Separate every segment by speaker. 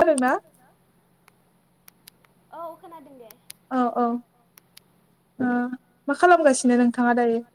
Speaker 1: आरोना
Speaker 2: औ खोनादों दे।
Speaker 1: औ औ ओ मा खालामगासिनो नोंथाङा दायो?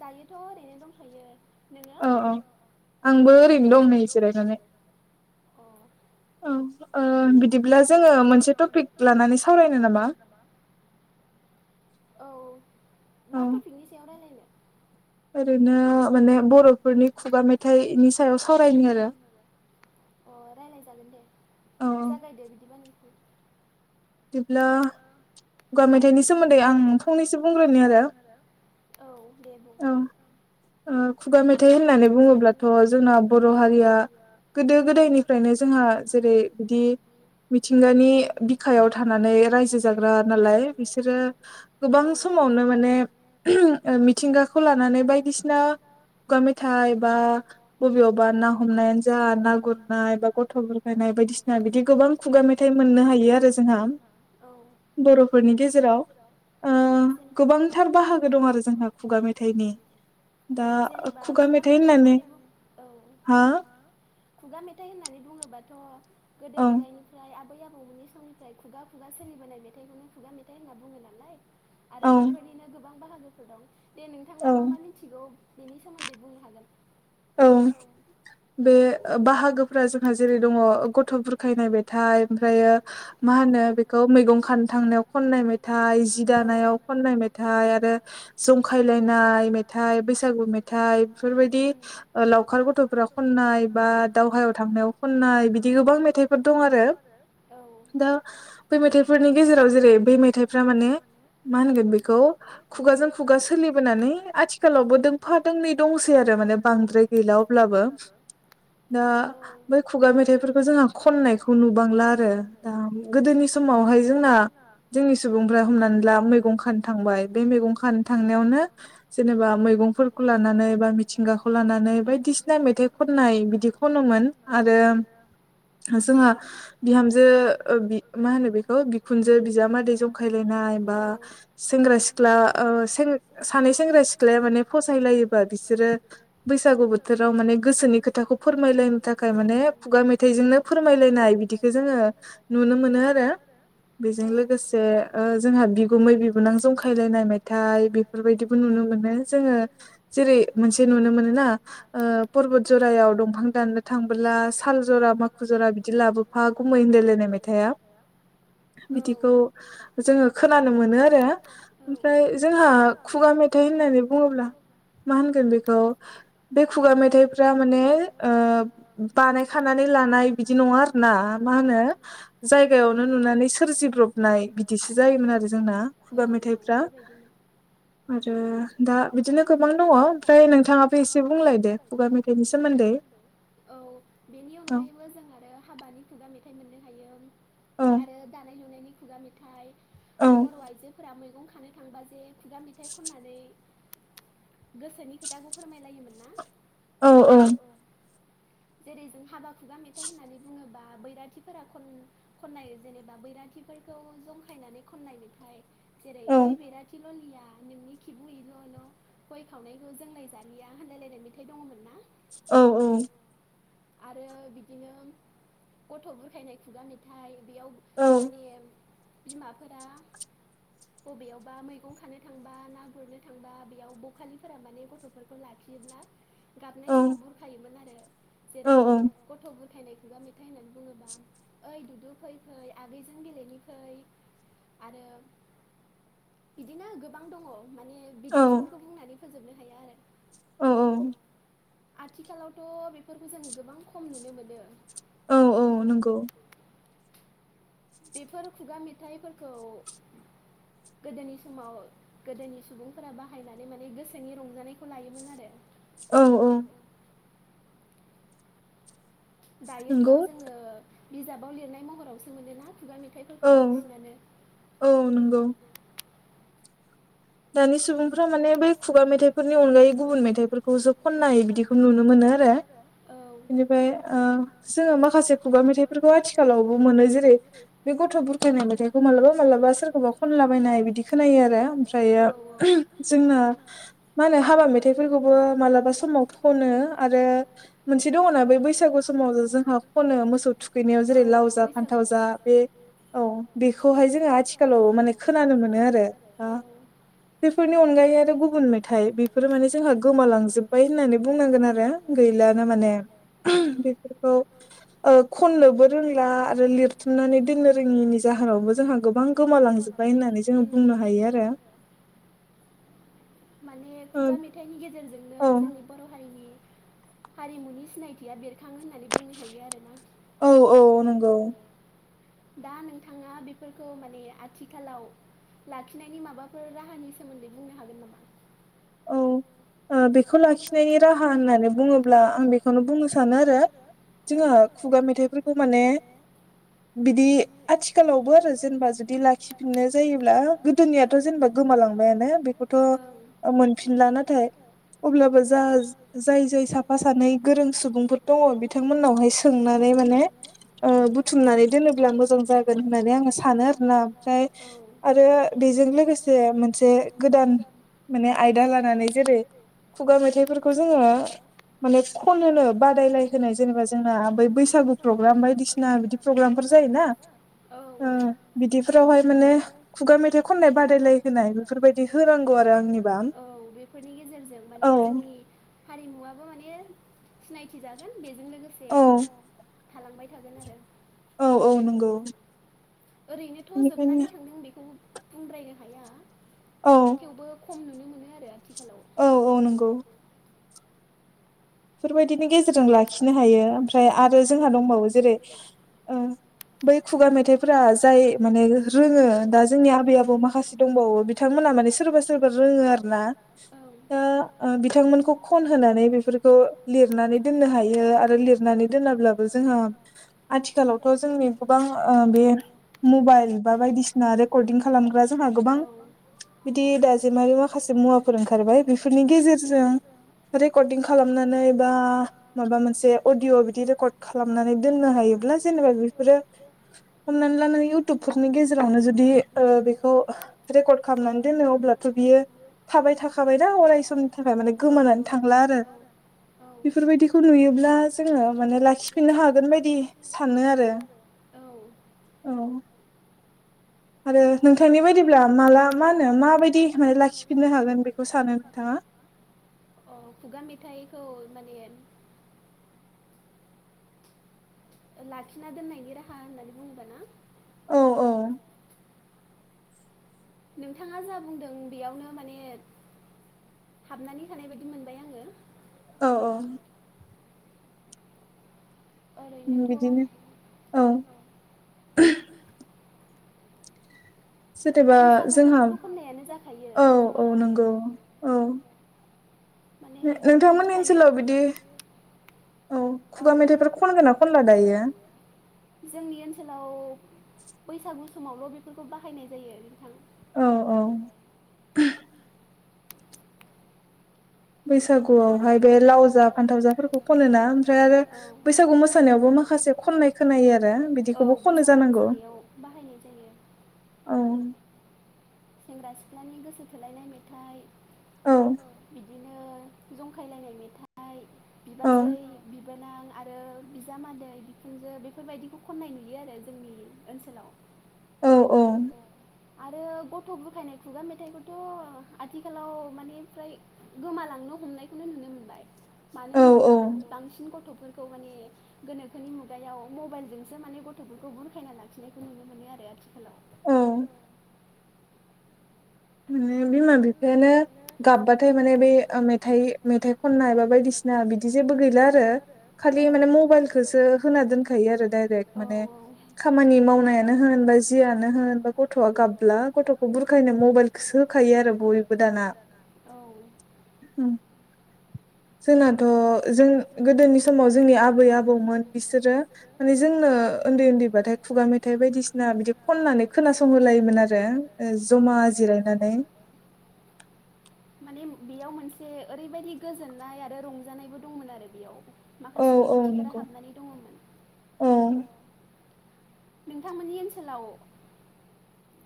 Speaker 2: दायोथ' ओरैनो दंथ'यो नोङो
Speaker 1: अ अ आंबो ओरैनो दं नै जिरायनानै। औ ओ बिदिब्ला जोङो मोनसे टपिक लानानै सावरायनो नामा?
Speaker 2: औ मा टपिकनि सायाव रायलायनो?
Speaker 1: ओरैनो माने बरफोरनि खुगा मेथाइनि सायाव सावरायनि आरो।
Speaker 2: अ रायलाय जागोन दे। जागायदो बिदिबा नोंथां।
Speaker 1: बिदिब्ला खुगा मेथाइनि सोमोन्दै आं फंनैसो बुंग्रोनि आरो।
Speaker 2: औ दे बुं।
Speaker 1: औ ओ खुगा मेथाइ होननानै बुङोब्लाथ' जोंना बर' हारिया गोदो गोदायनिफ्रायनो जोंहा जेरै बिदि मिथिंगानि सायाव थानानै रायजो जाग्रा नालाय बिसोरो गोबां समावनो माने मिथिंगाखौ लानानै बायदिसिना खुगा मेथाइ बा बबेयावबा ना हमनायानो जा ना गुरनाय बा गथ' बुरखायनाय बायदिसिना बिदि गोबां खुगा मेथाइ मोननो हायो आरो जोंहा बर'फोरनि गेजेराव। ओ गोबांथार बाहागो दं आरो जोंहा खुगा मेथाइनि। दा खुगा मेथाइ होननानै हा?
Speaker 2: खुगा मेथाइ होननानै बुङोबाथ' गोदो गोदायनिफ्राय आबै आबौमोननि समनि फ्राय खुगा खुगा सोलिबोनाय मेथाइखौनो खुगा मेथाइ होनना बुङो नालाय आरो बेफोरनिनो गोबां बाहागोफोर दं, दे नोंथाङा मा मा मिथिगौ बेनि सोमोन्दै बुंनो हागोन।
Speaker 1: औ। बे बाहागोफ्रा जोंहा जेरै दङ गथ' बुरखायनाय मेथाय ओमफ्रायो मा होनो बेखौ मैगं खानो थांनायाव खननाय मेथाइ, जि दानायाव खननाय मेथाइ आरो जंखायलायनाय मेथाइ, बैसागु मेथाइ बेफोरबायदि ओ लावखार गथ'फोरा खननाय बा दावहायाव थांनायाव खननाय बिदि गोबां मेथाइफोर दं आरो।
Speaker 2: औ।
Speaker 1: बै मेथाइफोरनि गेजेराव जेरै बे मेथाइफ्रा माने मा होनगोन बेखौ खुगाजों खुगा सोलिबोनानै आथिखालावबो दोंफा दोंनै दंसै आरो माने बांद्राय गैला अब्लाबो दा बै खुगा मेथाइफोरखौ जोंहा खननायखौ नुबांला आरो दा गोदोनि समावहाय जोंना जोंनि सुबुंफ्रा हमनानै ला मैगं खानो थांबाय बे मैगं खानो थांनायावनो जेनेबा मैगंफोरखौ लानानै बा मिथिंगाखौ खौ लानानै बायदिसिना मेथाइ खननाय बिदि खनोमोन आरो जोंहा बिहामजो ओ बि मा होनो बेखौ बिखुनजो बिजामादै जंखायलायनाय बा सेंग्रा सिख्ला ओ सें सानै सेंग्रा सिख्लाया माने फसायलायोबा बिसोरो बैसागु बोथोराव माने गोसोनि खोथाखौ फोरमायलायनो थाखाय माने खुगा मेथाइजोंनो फोरमायलायनाय बिदिखौ जोंङो नुनो मोनो आरो बेजों लोगोसे जोंहा बिगुमै बिबोनां जंखायलायनाय मेथाइ बेफोरबायदिबो नुनो मोनो जोंङो जेरै मोनसे नुनो मोनो ना ओ परबत जरायाव दंफां दाननो थांबोला साल जरा माखु जरा बिदि लाबो फा गुमै होन्दलाय लायनाय मेथाया
Speaker 2: [inaudible]
Speaker 1: बिदिखौ जोंङो खोनानो मोनो आरो ओमफ्राय जोंहा खुगा मेथाइ होननानै बुङोब्ला मा होनगोन बेखौ बे खुगा मेथाइफ्रा माने ओ बानायखानानै लानाय बिदि नङा आरो ना मा होनो जायगायावनो नुनानै सोरजिब्रबनाय बिदिसो जायोमोन आरो जोंना खुगा मेथाइफ्रा आरो दा बिदिनो गोबां दङ ओमफ्राय नोंथाङा एसे बुंलाय दो खुगा मेथाइनि सोमोन्दै।
Speaker 2: औ बेनि अनगायैबो जों आरो हाबानि खुगा मेथाइ मोननो हायो। आरो दानाय लुनायनि खुगा मेथाइ आरो बर' आइजोफोरा मैगं खानो थांबा जे। खुगा मेथाइ खननानै गोसोनि खोथाखौ फोरमायलायोमोन ना।
Speaker 1: औ औ।
Speaker 2: जेरै जों हाबा खुगा मेथाइ होननानै बुङोबा बैराथिफोरा खन खननाय जेनेबा बैराथिफोरखौ जंखायनानै खननाय मेथाय जेरै ओइ बेैराथि ललिया नोंनि खिबु एल' एल' गय खावनायखौ जोंलाय जालिया होनलाय लायनाय खुगा मेथाइ दङमोनना।
Speaker 1: औऔ।
Speaker 2: आरो बिदिनो गथ' बुरखायनाय खुगा मेथाय। नाथाय बेयाव माने बिमाफोरा बबेयावबा मैगं खानो थांबा, ना गुरनो थांबा बेयाव बखालिफोरा माने गथ'फोरखौ लाखियोब्ला गाबनाय समाव बुरखायोमोन आरो जेरै गथ'बुर बुरखायनाय खुगा मेथाइ होननानै बुङोबा ओइ दुदु फै फै आगैजों गेलेनो फै आरो बिदिनो गोबां दङ। माने बिदिन्थिफोरखौ फोजोबनो हाया आरो।
Speaker 1: औ औ।
Speaker 2: आथिखालावथ' बेफोरखौ जों गोबां खम नुनो मोनो।
Speaker 1: औ औ नंगौ।
Speaker 2: बेफोर खुगा मेथाइफोरखौ गोदोनि समाव। गोदोनि सुबुंफोरा बाहायनानै माने गोसोनि रंजानायखौ लायोमोन आरो।
Speaker 1: औ औ।
Speaker 2: दायोथ' जोंङो बिजाबाव लिरनाय महरावसो मोनोना खुगा मेथाइफोरखौ बांसिनानो।
Speaker 1: औ नंगौ। दानि सुबुंफ्रा माने बै खुगा मेथाइफोरनि अनगायै गुबुन मेथाइफोरखौजुब खन्नाय बिदिखौ नुनो मोनो आरो। बेनिफ्राय ओ जोङो माखासे खुगा मेथाइफोरखौ आथिखालावबो मोनो जेरै- बे गथ' बुरखायनाय मेथाइखौ मालाबा मालाबा सोरखौबा खनलाबायनाय बिदि खोनायो आरो फ्रायो [unintelligible] जोङो मा होनो हाबा मेथाइफोरखौबो मालाबा समाव खनो आरो मोनसे दङना बेै बैसागु समाव जोंहा खनो मोसौ थुखैनायाव जेरै लाव जा फान्थाव जा। बे औ बेखौहाय जोङो आथिखालाव माने खोनानो मोनो आरो। ओ बेफोरनि अनगायै आरो गुबुन मेथाइ बेफोरो माने जोंहा गोमालांजोबबाय होननानै बुंनांगोन आरो। गैलानो माने बेफोरखौ औ खननोबो रोंला आरो लिरथुमनानै दोननो रोङिनि जाहोनावबो जोंहा गोबां गोमालांजोब बाय होननानै जोङो बुंनो हायो आरो।
Speaker 2: बे खुगा मेथाइनि गेजेरजोंनो जोंनि बर' हारिनि। हारिमुनि सिनायथिया बेरखां होननानै बुंनो हायो आरोना।
Speaker 1: औ औ नंगौ।
Speaker 2: दा नोंथाङा बेफोरखौ माने आथिखालाव। लाखिनायनि माबाफोर राहानि सोमोन्दै बुंनो हागोन नामा?
Speaker 1: औ ओ बेखौ लाखिनायनि राहा होननानै बुङोब्ला आं बेखौनो बुंनो सानो आरो जोङो खुगा मेथाइफोरखौ माने बिदि आथिखालावबो आरो जेनेबा जुदि लाखि फिननाय जायोब्ला गोदोनियाथ' जेनेबा गोमालांबायानो बेखौथ' ओ मोनफिनला नाथाय अब्लाबो जा जाय जाय साफा सानै गोरों सुबुंफोर दङ बिथां मोनावहाय सोंनानै माने ओ बुथुमनानै दोनोब्ला मोजां जागोन होननानै आङो सानो आरोना ओमफ्राय आरो बेजों लोगोसे मोनसे गोदान माने आयदा लानानै जेरै खुगा मेथाइफोरखौ जोङो माने खन होनोनो बादायलाय होनाय जेनेबा जोंना बै बैसागु प्रग्राम बायदिसिना बिदि प्रग्रामफोर जायोना ओ बिदिफोरावहाय माने खुगा मेथाइ खननाय बादायलाय होनाय बेफोरबायदि होनांगौ आरो आंनिबा
Speaker 2: औ बेफोरनि गेजेरजों माने जोंनि हारिमुआबो माने सिनायथि जागोन बेजों लोगोसे थालांबाय थागोन आरो
Speaker 1: औ औ नंगौ
Speaker 2: ओरैनोथ' जोबनानै थांदों बेखौ बुंद्रायनो हाया थेवबो खम नुनो मोनो आरो आथिखाल
Speaker 1: औ औ नंगौ फोरबायदिनि गेजेरजों लाखिनो हायो ओमफ्राय आरो जोंहा दंबावो जेरै ओ बै खुगा मेथाइफोरा जाय माने रोङो दा जोंनि आबै आबौ माखासे दंबावो बिथांमोनहा माने सोरबा सोरबा रोङो आरो ना दा ओ बिथांमोनखौ खन होनानै बेफोर खौ लिरनानै दोननो हायो आरो लिरनानै दोनाब्लाबो जोंहा आथिखालावथ' जोंनि गोबां ओ बे मबाइल बा बायदिसिना रेकर्डिं खालामग्रा जोंहा गोबां बिदि दाजेमारि माखासे मुवाफोर ओंखारबाय बेफोरनि गेजेरजों रेकर्दिं खालामनानै बा माबा मोनसे अदिअ बिदि रेकर्ड खालामनानै हायोब्ला जेनेबा बेफोरो हमनानै लानानै इउटुबफोरनि गेजेरावनो जुदि ओ बेखौ रेकर्ड खालामनानै दोनो अब्लाथ' बियो थाबाय थाखाबाय दा अराय समनि थाखाय माने गोमानानै थांला आरो। बेफोरबायदिखौ नुयोब्ला जोङो माने लाखिफिननो हागोन बायदि सानो आरो। औ आरो नोंथांनि बायदिब्ला माला माहोनो माबायदि माने लाखिफिननो हागोन बेखौ सानो नोंथाङा?
Speaker 2: औ खुगा मेथाइखौ माने ओ लाखिना दोननायनि राहा होननानै बुङोबा ना
Speaker 1: औ औ
Speaker 2: नोंथाङा जा बुंदों बेयावनो माने हाबनानै थानाय बायदि मोनबाय आङो।
Speaker 1: औ औ उम बिदिनो औ जेनेबा जोंहा औ औ नंगौ औ। नोंथांमोननि ओनसोलाव बिदि औ खुगा मेथाइफोर खनगोना खनला दायो?
Speaker 2: जोंनि ओनसोलाव बैसागु समावल' बेफोरखौ बाहायनाय जायो नोंथां।
Speaker 1: औ औ बैसागुआवहाय बे लाव जा फान्थाव जाफोरखौ खनो ना ओमफ्राय आरो बैसागु मोसानायावबो माखासे खननाय खोनायो आरो बिदिखौबो खनो जानांगौ।
Speaker 2: बाहायनाय जायो। सेंग्रा सिख्लानि गोसो थोलायनाय मेथाइ औ बिदिनो जंखायलायनाय मेथाइ बिबाजै बिबोनां आरो बिजामादै बिखुनजो बेफोरबायदिखौ खन्नाय नुयो आरो जोंनि ओनसोलाव।
Speaker 1: औ औ
Speaker 2: आरो गथ' बुरखायनाय खुगा मेथाइखौथ' आथिखालाव माने फ्राय गोमालांनो हमनायखौनो नुनो मोनबाय मानो होनो बा बांसिन गथ'फोरखौ माने गोनोखोनि मुगायाव मबाइलजोंसो माने गथ'फोरखौ बुरखायना लाखिनायखौ नुनो मोनो आरो आथिखालाव।
Speaker 1: माने बिमा बिफायानो गाबबाथाय माने बे मेथाइ मेथाइ खननाय बा बायदिसिना बिदि जेबो गैला आरो खालि माने मबाइलखौसो होना दोनखायो आरो डाइरेक्ट माने खामानि मावनायानो होन बा जियानो होन बा गथ'आ गाबब्ला गथ'खौ बुरखायनो मबेइल खौसो होखायो आरो बयबो दाना। जोंनाथ' जों गोदोनि समाव जोंनि आबै आबौमोन बिसोरो माने जोंनो ओन्दै उन्दैबाथाय खुगा मेथाइ बायदिसिना बिदि खननानै खोनासंहोलायोमोन आरो। ओ ज'मा जिरायनानै।
Speaker 2: बेयाव मोनसे ओरैबायदि गोजोननाय आरो रंजानायबो दंमोन आरो बेयाव। माखासे ओंथिफोरा हाबनानै दङमोन। नोंथांमोननि ओनसोलाव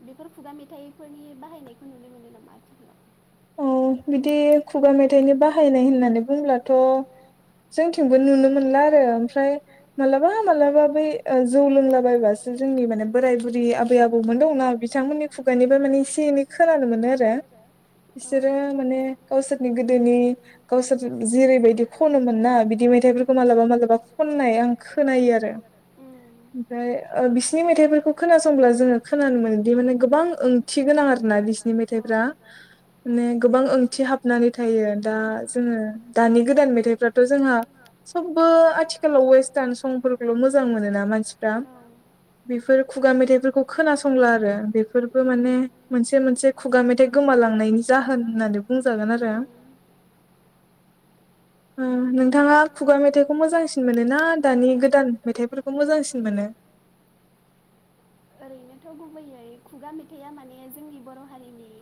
Speaker 2: बेफोर खुगा मेथाइफोरनि बाहायनायखौ नुनो मोनो नामा आथिखालाव।
Speaker 1: उम बिदि खुगा मेथाइनि बाहायनाय होननानै बुंब्लाथ' जोंथिंबो नुनो मोनला आरो ओमफ्राय मालाबा मालाबा बै ओ जौ लोंलाबायबासो जोंनि माने बोराय बुरि आबै आबौमोन दङ। ब्ला बिथांमोननि खुगानिफ्राय माने एसे एनै खोनानो मोनो आरो। बिसोरो माने गावसोरनि गोदोनि गावसोर जेरैबायदि खनोमोनना बिदि मेथाइफोरखौ मालाबा मालाबा खननाय आं खोनायो आरो।
Speaker 2: [unintelligible]
Speaker 1: ओमफ्राय ओ बिसिनि मेथाइफोरखौ खोनासंब्ला जोङो खोनानो मानोदि गोबां ओंथि गोनां आरोना बिसिनि मेथाइफ्रा। ने गोबां ओंथि हाबनानै थायो, दा जोङो दानि गोदान मेथाइफ्राथ' जोंहा सबबो आथिखालाव वेस्टार्न संफोरखौल' मोजां मोनो ना मानसिफ्रा। बेफोर खुगा मेथाइफोरखौ खोनास संला आरो बेफोरबो माने मोनसे मोनसे खुगा मेथाइ गोमालांनायनि जाहोन होननानै बुंजागोन आरो। ओ नोंथाङा खुगा मेथाइखौ मोजांसिन मोनो ना दानि गोदान मेथाइफोरखौ मोजांसिन मोनो?
Speaker 2: ओरैनोथ' गुबैयै खुगा मेथाइआ माने जोंनि बर' हारिनि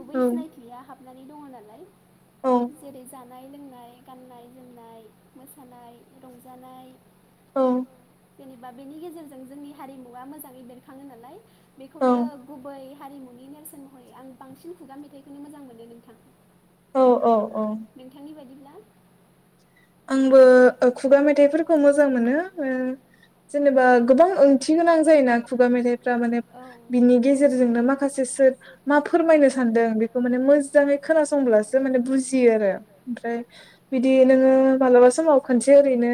Speaker 2: गुबै सिनायथिया हाबनानै दङ नालाय जेरै जा नाय लोंनाय, गाननाय, जोमनाय, मोसानाय, रंजानाय
Speaker 1: औ।
Speaker 2: जेनेबा बेनि गेजेरजों जोंनि हारिमुवा मोजाङै बेरखाङो नालाय बेखौनो गुबै हारिमुनि नेरसोन महरै आं बांसिन खुगा मेथाइखौनो मोजां मोनो नोंथां।
Speaker 1: औ औ औ।
Speaker 2: नोंथांनि बायदिब्ला?
Speaker 1: आंबो ओ खुगा मेथाइफोरखौ मोजां मोनो, ओ जेनेबा गोबां ओंथि गोनां जा जायोना खुगा मेथाइफ्रा माने बिनि गेजेरजोंनो माखासे सो मा फोरमायनो सानदों बेखौ माने मोजाङै खोनासंब्लासो माने बुजियो आरो, ओमफ्राय बिदि नोङो मालाबा समाव खोनसे ओरैनो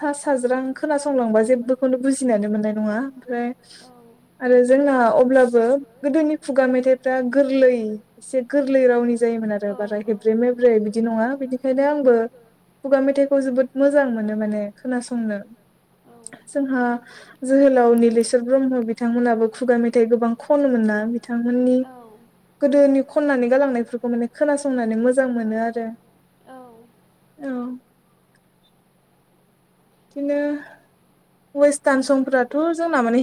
Speaker 1: सा साज्रां खोनासंलांबा जेबोखौनो बुजिनानै मोननाय नङा, ओमफ्राय
Speaker 2: औ।
Speaker 1: आरो जोंना अब्लाबो गोदोनि खुगा मेथाइफ्रा गोरलै एसे गोरलै रावनि जायोमोन आरो बारा हेब्रे मेब्रे बिदि नङा, बिनिखायनो आंबो खुगा मेथाइखौ जोबोद मोजां मोनो माने खोनासंनो जोंहा जोहोलाव निलेशवर ब्रह्म बिथांमोनहाबो खुगा मेथाइ गोबां खन मोना बिथांमोननि गोदोनि खननानै गालांनायफोरखौ माने खोनासंनानै मोजां मोनो आरो।
Speaker 2: औ।
Speaker 1: बिदिनो वेस्टारन संफथ'फोराथ जोंना माने